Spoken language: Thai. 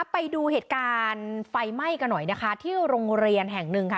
ไปดูเหตุการณ์ไฟไหม้กันหน่อยนะคะที่โรงเรียนแห่งหนึ่งค่ะ